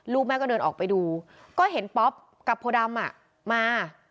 แม่ก็เดินออกไปดูก็เห็นป๊อปกับโพดำมา